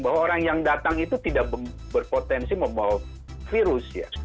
bahwa orang yang datang itu tidak berpotensi membawa virus ya